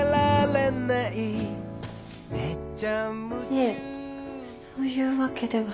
いえそういうわけでは。